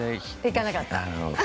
いかなかった？